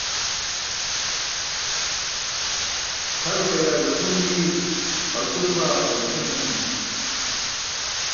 Tʰa rupiyaa żakun niir alto tʰaa tamaśa manimi.